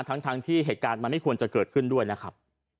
ทั้งที่เหตุการณ์มันไม่ควรจะเกิดขึ้นด้วยนะครับ